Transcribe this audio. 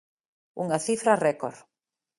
Unha cifra récord.